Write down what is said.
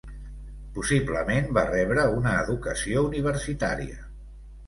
Possiblement va rebre una educació universitària.